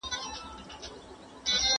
مور یې د تلویزون په ریموټ باندې خبرونه لیدل.